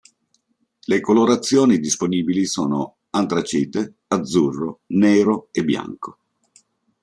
Le colorazioni disponibili sono antracite, azzurro, nero e bianco.